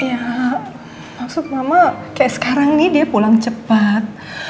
ya maksud mama kayak sekarang nih dia pulang cepat